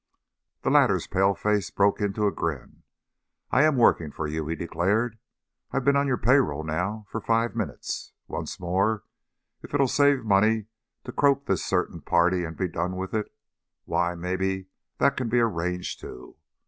The latter's pale face broke into a grin. "I am working for you," he declared. "I've been on your pay roll now for five minutes. What's more, if it'll save money to croak this certain party and be done with it, why, maybe that can be arranged, too.